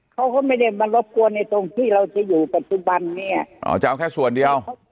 เขาก็ไม่ได้มารบกวนในตรงที่เราจะอยู่ปัจจุบันเนี่ยอ๋อจะเอาแค่ส่วนเดียว